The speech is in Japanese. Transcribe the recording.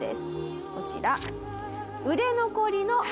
こちら。